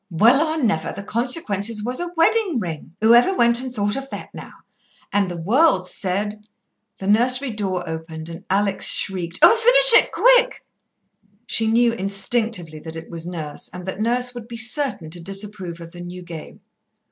"Well, I never! The consequences was, a wedding ring. Whoever went and thought of that now? And the world said " The nursery door opened, and Alex shrieked, "Oh, finish it quick!" She knew instinctively that it was Nurse, and that Nurse would be certain to disapprove of the new game.